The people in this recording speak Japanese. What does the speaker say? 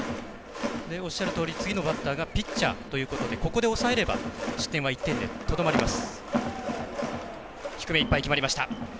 おっしゃるとおり次のバッターがピッチャーということでここで抑えれば失点は１点でとどまります。